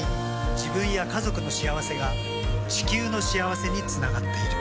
自分や家族の幸せが地球の幸せにつながっている。